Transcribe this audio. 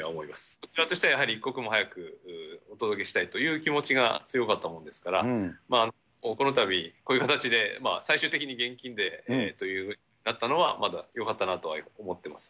こちらとしては一刻も早くお届けしたいという気持ちが強かったものですから、このたび、こういう形で最終的に現金でというふうになったのは、まだよかったと思います。